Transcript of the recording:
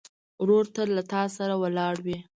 ورور تل له تا سره ولاړ وي.